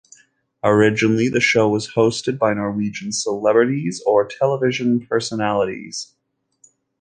Originally, the show was hosted by Norwegian celebrities or television personalities.